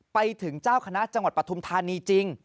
ไปถึงเจ้าคณะจังหวัดปฐุมธานีจริง